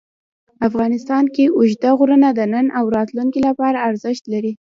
افغانستان کې اوږده غرونه د نن او راتلونکي لپاره ارزښت لري.